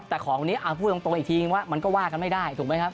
แต่ของนี้เอาพูดตรงอีกทีนึงว่ามันก็ว่ากันไม่ได้ถูกไหมครับ